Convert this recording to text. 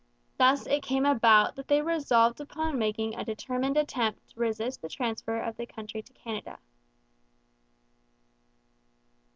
Thus it came about that they resolved upon making a determined attempt to resist the transfer of the country to Canada.